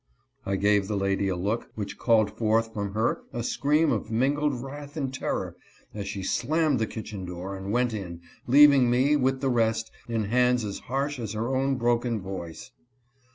I gave the lady a look which called forth from her a scream of mingled wrath and terror, as she slammed the kitchen door and went in, leaving me, with the rest, in hands as harsh as her own broken voice.